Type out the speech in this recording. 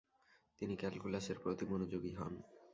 তিনি ক্যালকুলাসের প্রতি মনোযোগী হন।